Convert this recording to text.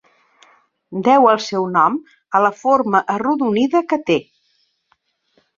Deu el seu nom a la forma arrodonida que té.